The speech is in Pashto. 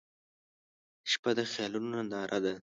• شپه د خیالونو ننداره ده.